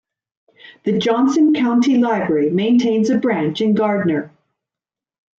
The Johnson County Library maintains a branch in Gardner.